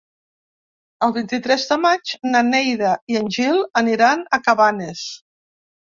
El vint-i-tres de maig na Neida i en Gil aniran a Cabanes.